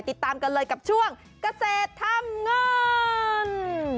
ติดตามกันเลยกับช่วงเกษตรทำเงิน